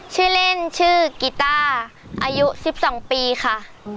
ชื่อเล่นชื่อกีต้าอายุ๑๒ปีค่ะ